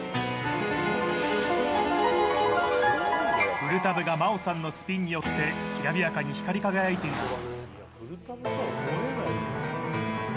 プルタブが真央さんのスピンによってきらびやかに光り輝いています。